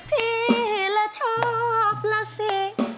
พี่เหลือชอบละสิ